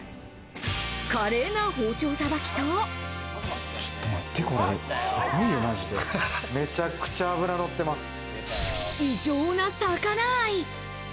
華麗な包丁さばきと、異常な魚愛。